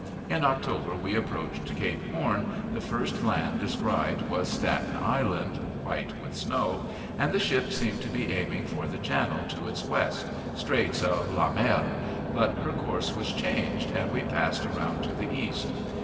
In October we approached Cape Horn, the first land descried was Staten Island, white with snow, and the ship seemed to be aiming for the channel to its west, straits of Le Maire, but her course was changed and we passed around to the east.